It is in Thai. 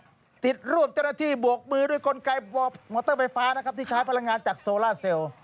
มารูปจัฏยบวกมือด้วยกลไกหมอเตอร์ไฟฟ้าที่ใช้พลังงานจากโซลาเซลว์